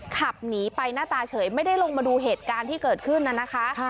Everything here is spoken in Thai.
ขับหนีไปหน้าตาเฉยไม่ได้ลงมาดูเหตุการณ์ที่เกิดขึ้นน่ะนะคะ